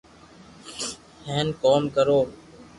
ھين ڪوم ڪرو